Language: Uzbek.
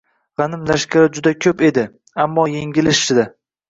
Gʻanim lashkari juda koʻp edi, ammo yengilishdi.